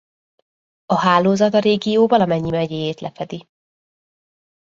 A hálózat a régió valamennyi megyéjét lefedi.